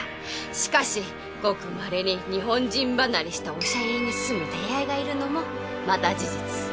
しかしごくまれに日本人離れしたおしゃ家に住む手合いがいるのもまた事実